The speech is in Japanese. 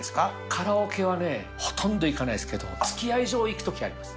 カラオケはね、ほとんど行かないですけど、つきあい上行くときはあります。